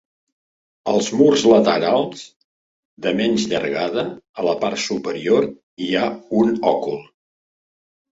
Als murs laterals, de menys llargada, a la part superior hi ha un òcul.